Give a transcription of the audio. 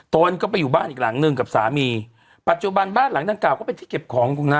ตนก็ไปอยู่บ้านอีกหลังหนึ่งกับสามีปัจจุบันบ้านหลังดังกล่าก็เป็นที่เก็บของของน้า